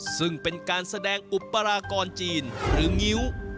ซึ่งเป็นการแสดงอุปรากรจีนหรืองิ้ว